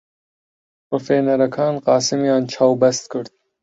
ڕفێنەرەکان قاسمیان چاوبەست کرد.